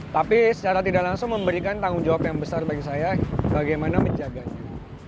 tapi secara tidak langsung memberikan tanggung jawab yang besar bagi saya bagaimana menjaganya